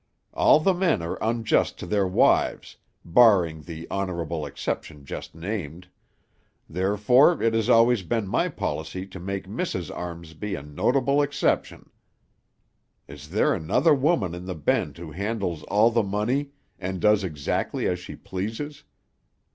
All the men are unjust to their wives, barring the honorable exception just named; therefore it has always been my policy to make Mrs. Armsby a notable exception. Is there another woman in the Bend who handles all the money, and does exactly as she pleases?